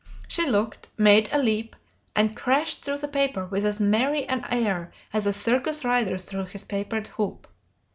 She looked, made a leap, and crashed through the paper with as merry an air as a circus rider through his papered hoop.